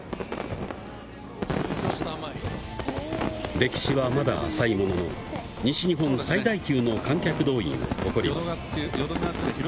歴史はまだ浅いものの、西日本最大級の観客動員を誇ります。